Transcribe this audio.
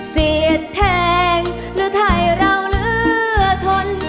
เสียดแทงหรือถ่ายเราเหลือทน